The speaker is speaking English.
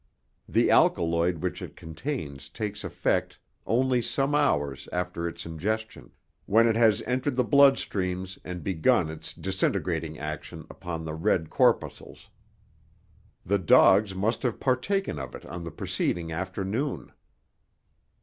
The alkaloid which it contains takes effect only some hours after its ingestion, when it has entered the blood streams and begun its disintegrating action upon the red corpuscles. The dogs must have partaken of it on the preceding afternoon.